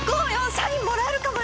サインもらえるかもよ。